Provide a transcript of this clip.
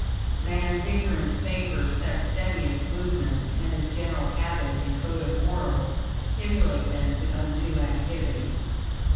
Man's ignorance favors such seditious movements, and his general habits and code of morals stimulate them to undue activity.